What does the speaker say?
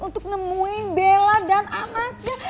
untuk nemuin bella dan anaknya